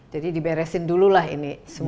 jadi diberesin dulu lah ini semua